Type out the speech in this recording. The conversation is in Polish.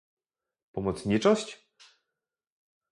Pomocniczość?